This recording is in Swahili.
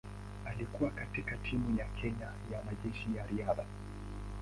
Alikuwa katika timu ya Kenya ya Majeshi ya Riadha.